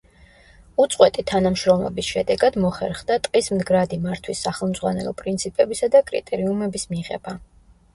უწყვეტი თანამშრომლობის შედეგად მოხერხდა ტყის მდგრადი მართვის სახელმძღვანელო პრინციპებისა და კრიტერიუმების მიღება.